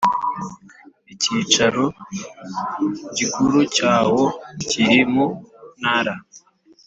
Icyicaro gikuru cyawo kiri mu Ntara